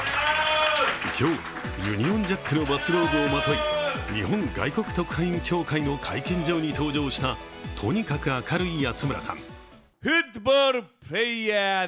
今日、ユニオンジャックのバスローブをまとい、日本外国特派員協会の会見場に登場した、とにかく明るい安村さん。